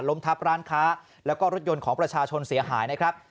ทับร้านค้าแล้วก็รถยนต์ของประชาชนเสียหายนะครับ